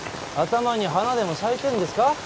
頭に花でも咲いてんですか？